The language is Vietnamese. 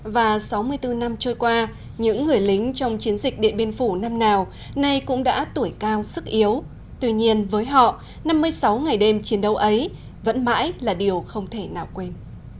và sáu mươi bốn năm trôi qua những người lính trong chiến dịch điện biên phủ năm nào nay cũng đã tuổi cao sức yếu tuy nhiên với họ năm mươi sáu ngày đêm chiến đấu ấy vẫn mãi là điều không thể nào quên